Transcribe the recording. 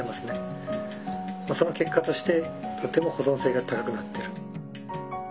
その結果としてとても保存性が高くなってる。